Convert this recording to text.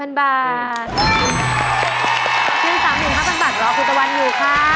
ที่๓๕๐๐บาทรอคุณตะวันอยู่ค่ะ